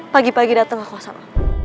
pagi pagi dateng ke kosong